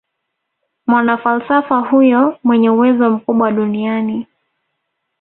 mwanafalsafa huyo mwenye uwezo mkubwa duniani